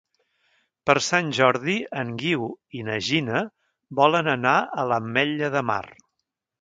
Per Sant Jordi en Guiu i na Gina volen anar a l'Ametlla de Mar.